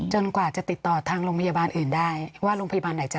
จนกว่าจะติดต่อทางโรงพยาบาลอื่นได้